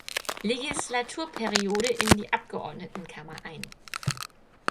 Legislaturperiode in die Abgeordnetenkammer ein.